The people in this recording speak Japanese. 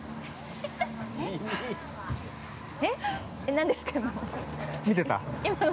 ◆何ですか？